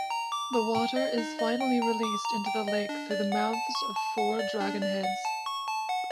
The water is finally released into the lake through the mouths of four dragonheads.